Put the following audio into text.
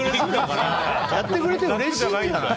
やってくれてうれしいんじゃないの？